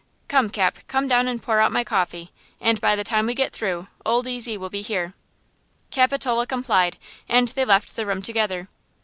Come, Cap, come down and pour out my coffee, and by the time we get through, Old Ezy will be here." Capitola complied, and they left the room together.